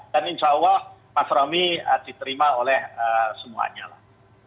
dan insya allah mas romi diterima oleh semuanya lah